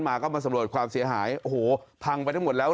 มาก็มาสำรวจความเสียหายโอ้โหพังไปทั้งหมดแล้ว